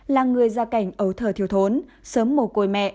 là người ra cảnh ấu thở thiêu thốn sớm mồ côi mẹ